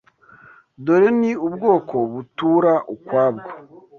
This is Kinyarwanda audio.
Dore ni ubwoko butura ukwabwo